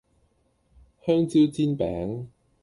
香蕉煎餅